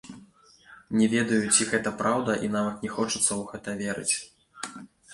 Не ведаю, ці гэта праўда і нават не хочацца ў гэта верыць.